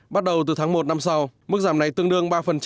bắt đầu từ tháng một năm sau mức giảm này tương đương ba